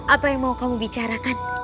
apa yang mau kamu bicarakan